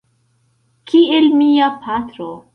Kiel mia patro.